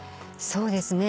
そうですね。